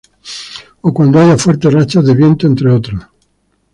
O cuando haya fuertes rachas de viento, entre otros.